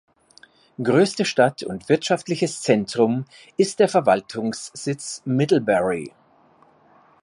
Größte Stadt und wirtschaftliches Zentrum ist der Verwaltungssitz Middlebury.